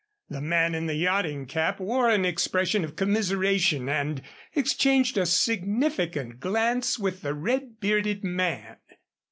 The man in the yachting cap wore an expression of commiseration and exchanged a significant glance with the red bearded man.